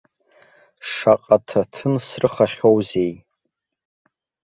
Шаҟа ҭаҭын срыхахьоузеи.